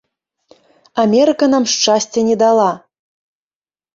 Амерыка нам шчасця не дала.